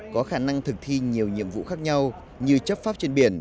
có khả năng thực thi nhiều nhiệm vụ khác nhau như chấp pháp trên biển